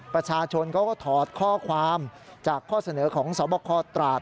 ประชาชนก็ทอดข้อความจากข้อเสนอของสมบคคลตราศฯ